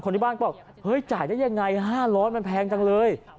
ที่บ้านก็บอกเฮ้ยจ่ายได้ยังไง๕๐๐มันแพงจังเลย